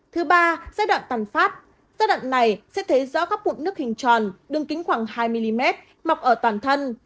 thứ ba giai đoạn tàn phát giai đoạn này sẽ thấy rõ các cuộc nước hình tròn đường kính khoảng hai mm mọc ở toàn thân